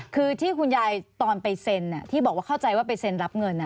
คือที่คุณยายตอนไปเซ็นที่บอกว่าเข้าใจว่าไปเซ็นรับเงิน